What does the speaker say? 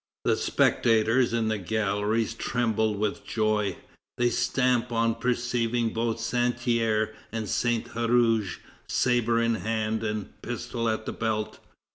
The spectators in the galleries tremble with joy; they stamp on perceiving both Santerre and Saint Huruge, sabre in hand and pistols at the belt.